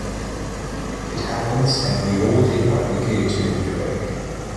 It happens and we all did what we could to make it work.